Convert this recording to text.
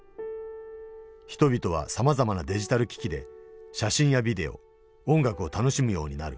人々はさまざまなデジタル機器で写真やビデオ音楽を楽しむようになる。